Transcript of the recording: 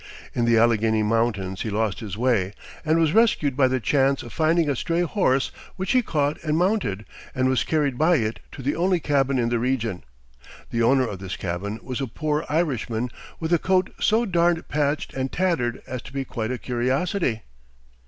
In the Alleghany Mountains he lost his way, and was rescued by the chance of finding a stray horse which he caught and mounted, and was carried by it to the only cabin in the region. The owner of this cabin was "a poor Irishman with a coat so darned, patched, and tattered as to be quite a curiosity."